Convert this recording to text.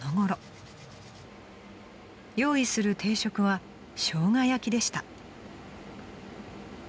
［用意する定食はしょうが焼きでした］